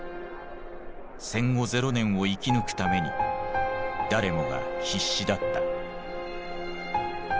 戦後ゼロ年を生き抜くために誰もが必死だった。